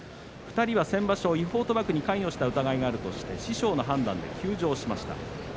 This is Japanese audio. ２人は先場所、違法賭博に関与した疑いがあるとして師匠の判断で休場しました。